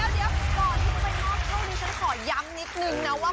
ก่อนที่จะไปนอกเท่านี้ฉันขอย้ำนิดนึงนะว่า